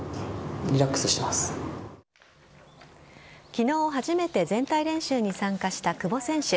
昨日、初めて全体練習に参加した久保選手。